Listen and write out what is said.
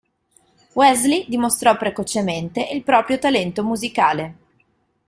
Wesley dimostrò precocemente il proprio talento musicale.